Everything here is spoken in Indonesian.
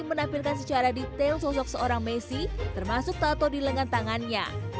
menampilkan secara detail sosok seorang messi termasuk tato di lengan tangannya